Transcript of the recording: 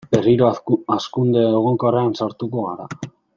Berriro hazkunde egonkorrean sartuko gara.